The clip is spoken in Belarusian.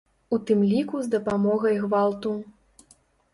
У тым ліку з дапамогай гвалту.